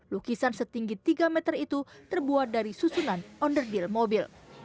lukisan setinggi tiga meter itu terbuat dari susunan under deal mobil